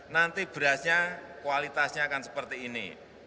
nanti berasnya kualitasnya akan seperti ini